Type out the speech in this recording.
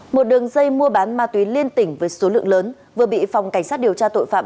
một đường dây mua bán ma túy liên tỉnh với số lượng lớn vừa bị phòng cảnh sát điều tra tội phạm